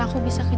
aku akan mencari